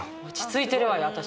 落ち着いてるわよ